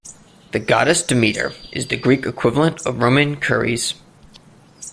The goddess Demeter is the Greek equivalent of Roman Ceres.